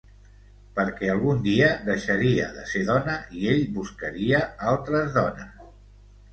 Perquè algun dia deixaria de ser dona i ell buscaria altres dones...